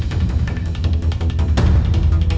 kamu harus kelar ya